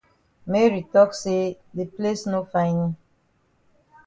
Mary tok say de place no fine yi.